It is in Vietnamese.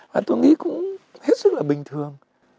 và tôi nghĩ cũng hết sức là bình thường